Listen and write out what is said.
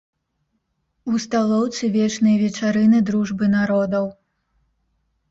У сталоўцы вечныя вечарыны дружбы народаў.